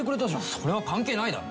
それは関係ないだろ！